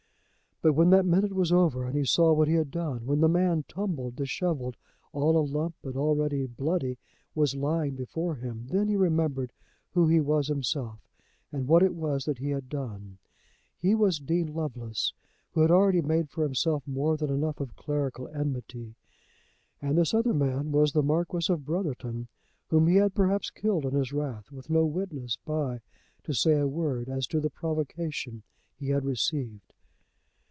But when that minute was over, and he saw what he had done, when the man, tumbled, dishevelled, all alump and already bloody, was lying before him, then he remembered who he was himself and what it was that he had done. He was Dean Lovelace, who had already made for himself more than enough of clerical enmity; and this other man was the Marquis of Brotherton, whom he had perhaps killed in his wrath, with no witness by to say a word as to the provocation he had received.